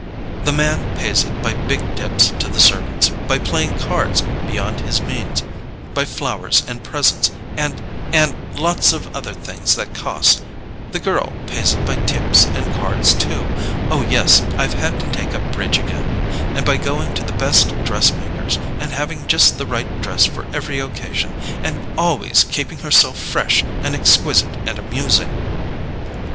The man pays it by big tips to the servants, by playing cards beyond his means, by flowers and presents—and—and—lots of other things that cost; the girl pays it by tips and cards too—oh, yes, I've had to take up bridge again—and by going to the best dress makers, and having just the right dress for every occasion, and always keeping herself fresh and exquisite and amusing!"